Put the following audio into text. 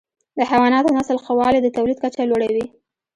د حیواناتو نسل ښه والی د تولید کچه لوړه وي.